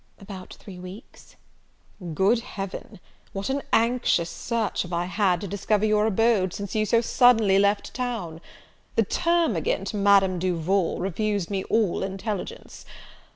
"About three weeks." "Good Heaven! what an anxious search have I had, to discover your abode, since you so suddenly left town! The termagant, Madame Duval, refused me all intelligence.